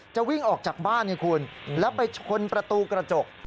วิ่งออกจากบ้านไงคุณแล้วไปชนประตูกระจก